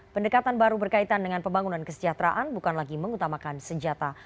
pendekatan baru berkaitan dengan pembangunan kesejahteraan bukan lagi mengutamakan senjata